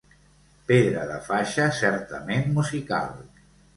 Pedra de faixa certament musical.